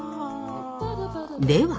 では